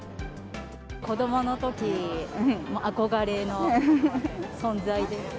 子どものとき、憧れの存在で。